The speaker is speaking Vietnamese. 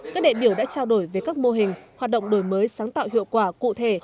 các đại biểu đã trao đổi về các mô hình hoạt động đổi mới sáng tạo hiệu quả cụ thể